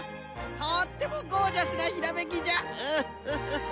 とってもゴージャスなひらめきじゃ！